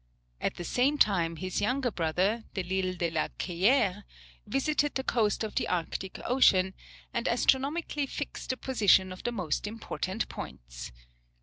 At the same time his younger brother, Delisle de la Ceyére, visited the coast of the Arctic Ocean, and astronomically fixed the position of the most important points.